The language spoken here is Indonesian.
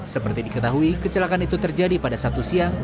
seperti diketahui kecelakaan itu terjadi pada satu siang